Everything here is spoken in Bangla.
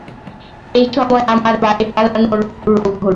এই সময় আমার বাড়ি-পালোনর রোগ হল।